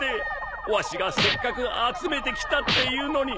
わしがせっかく集めてきたっていうのに。